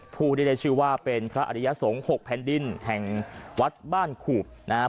ผู้ที่ได้ชื่อว่าเป็นพระอริยสงฆ์๖แผ่นดินแห่งวัดบ้านขูบนะฮะ